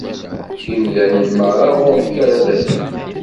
Imdanen merra ɣur-k ara d-asen!